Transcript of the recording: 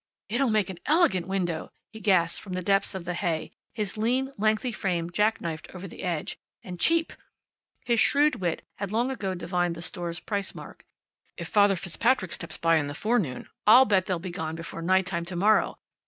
"It'll make an elegant window," he gasped from the depths of the hay, his lean, lengthy frame jack knifed over the edge. "And cheap." His shrewd wit had long ago divined the store's price mark. "If Father Fitzpatrick steps by in the forenoon I'll bet they'll be gone before nighttime to morrow.